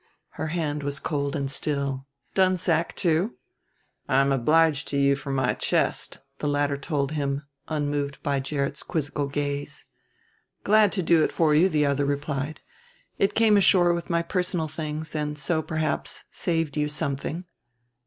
Her hand was cold and still. "Dunsack, too." "I am obliged to you for my chest," the latter told him, unmoved by Gerrit's quizzical gaze. "Glad to do it for you," the other replied; "it came ashore with my personal things, and so, perhaps, saved you something."